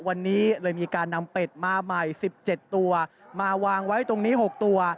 วันนี้เลยมีการนำเป็ดมาใหม่๑๗ตัวมาวางไว้ตรงนี้๖ตัว